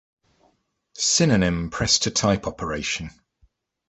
"Synonym" press-to-type operation.